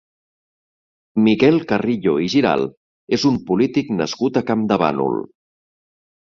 Miquel Carrillo i Giralt és un polític nascut a Campdevànol.